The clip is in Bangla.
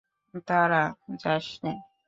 দাঁড়া, যাসনে।